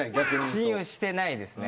信用してないですね。